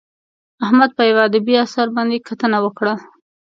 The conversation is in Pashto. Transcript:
احمد په یوه ادبي اثر باندې کره کتنه وکړه.